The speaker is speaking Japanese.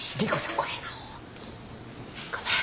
ごめん。